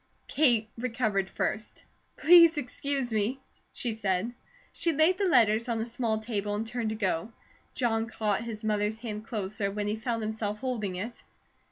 Kate recovered first. "Please excuse me," she said. She laid the letters on a small table and turned to go. John caught his mother's hand closer, when he found himself holding it.